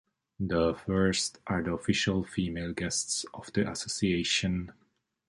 The first are the official female guests of the association.